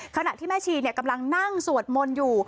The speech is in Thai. ขณะที่แม่ชีกำลังนั่งสวดมนต์อยู่